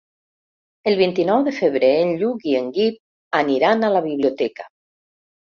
El vint-i-nou de febrer en Lluc i en Guim aniran a la biblioteca.